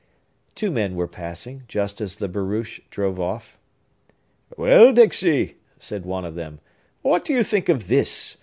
Two men were passing, just as the barouche drove off. "Well, Dixey," said one of them, "what do you think of this?